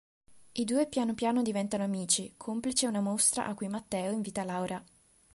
I due piano piano diventano amici, complice una mostra a cui Matteo invita Laura.